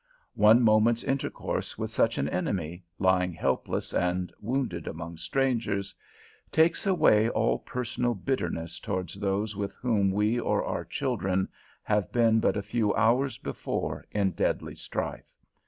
One moment's intercourse with such an enemy, lying helpless and wounded among strangers, takes away all personal bitterness towards those with whom we or our children have been but a few hours before in deadly strife.